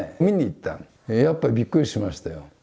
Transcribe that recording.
見に行ったの。やっぱびっくりしましたよ。